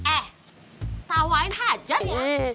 eh tawain hajat ya